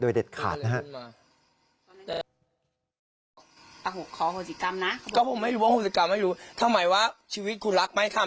โดยเด็ดขาดนะฮะ